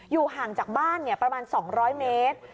อยู่ห่างจากบ้านเนี่ยประมาณ๒๐๐เมตร